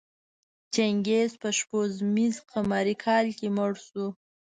چنګیز په سپوږمیز قمري کال کې مړ شو.